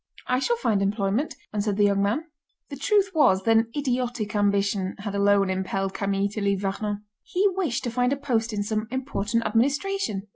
"I shall find employment," answered the young man. The truth was that an idiotic ambition had alone impelled Camille to leave Vernon. He wished to find a post in some important administration.